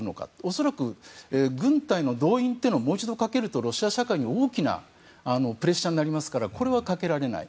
恐らく軍隊の動員というのをもう一度かけるとロシア社会に大きなプレッシャーになりますから、かけられない。